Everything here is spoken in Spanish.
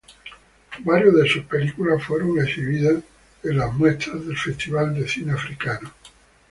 Varios de sus filmes fueron exhibidos en las muestras del Festival de Cine Africano.